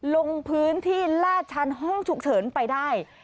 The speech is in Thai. ลงพื้นที่ลาดชั้นห้องฉุกเฉินไปได้